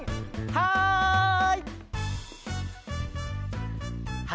はい！